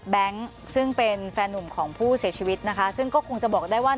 ซึ่งเป็นแฟนหนุ่มของผู้เสียชีวิตนะคะซึ่งก็คงจะบอกได้ว่า